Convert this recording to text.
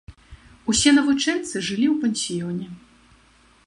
Усе навучэнцы жылі ў пансіёне.